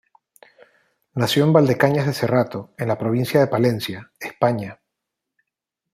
Nació en Valdecañas de Cerrato, en la provincia de Palencia, España.